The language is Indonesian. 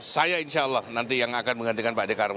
saya insya allah nanti yang akan menggantikan pak dekarwo